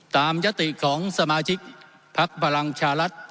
ตามยัตติของสมาชิกภักดิ์พลังชาลัทธรรม